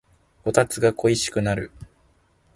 こたつが恋しくなる